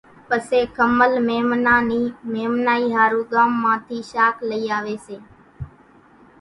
پسي کمل ميمانان نِي ميمنائِي ۿارُو ڳام مان ٿِي شاک لئِي آويَ سي۔